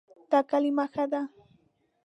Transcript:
دا کلمه ښه ده